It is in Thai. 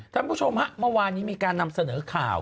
ท่านผู้ชมฮะเมื่อวานนี้มีการนำเสนอข่าว